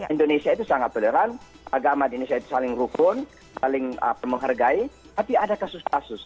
indonesia itu sangat toleran agama di indonesia itu saling rukun saling menghargai tapi ada kasus kasus